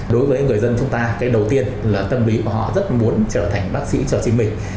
đối với người dân chúng ta cái đầu tiên là tâm lý của họ rất muốn trở thành bác sĩ cho chính mình